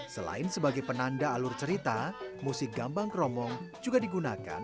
selain sebagai penanda alur cerita musik gambang kromong juga digunakan